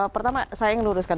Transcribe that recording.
pertama saya yang nuruskan